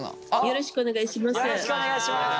よろしくお願いします。